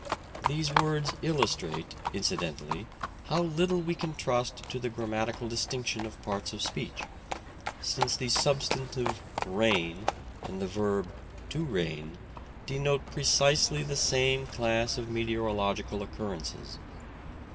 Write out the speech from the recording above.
These words illustrate, incidentally, how little we can trust to the grammatical distinction of parts of speech, since the substantive "rain" and the verb "to rain" denote precisely the same class of meteorological occurrences.